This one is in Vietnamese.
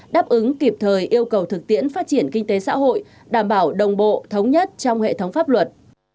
đáp ứng kịp thời yêu cầu thực tiễn phát triển kinh tế xã hội đảm bảo đồng bộ thống nhất trong hệ thống pháp luật